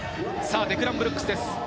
デクラン・ブルックスです。